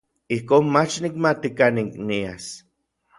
Ijkon mach nikmati kanik nias.